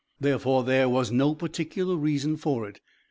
Therefore, there was no particular reason for it.